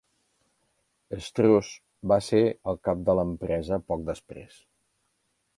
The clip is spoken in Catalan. Strouse va ser el cap de l'empresa poc després.